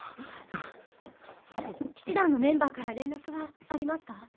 騎士団のメンバーから連絡はありますか？